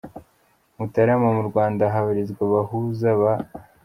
Mutarama.Mu Rwanda habarizwa abahuza ba.